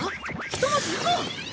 ひとまず行こう！